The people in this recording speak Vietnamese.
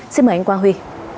xin mời anh quang huy